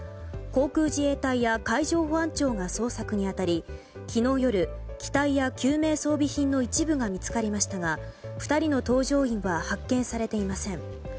航空自衛隊や海上保安庁が捜索に当たり昨日夜、機体や救命装備品の一部が見つかりましたが２人の搭乗員は発見されていません。